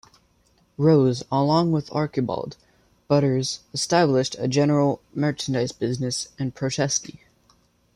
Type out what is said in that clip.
Rose, along with Archibald Buttars, established a general merchandise business in Petoskey.